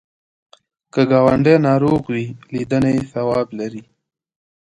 که ګاونډی ناروغ وي، لیدنه یې ثواب لري